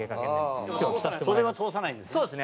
袖は通さないんですね。